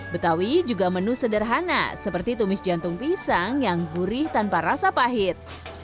betawi juga menu sederhana seperti tumis jantung pisang yang gurih tanpa rasa pahit